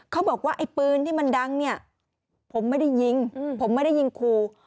เขาบอกว่าไอ้ปืนที่มันดังเนี่ยผมไม่ได้ยิงผมไม่ได้ยิงครู